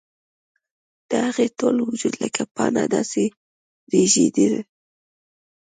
د هغې ټول وجود لکه پاڼه داسې رېږدېده